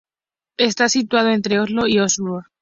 Está situado entre Oslo y Østfold.